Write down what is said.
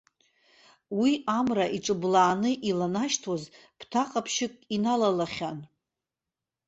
Уи, амра иҿыблааны иланашьҭуаз ԥҭа ҟаԥшьык иналалахьан.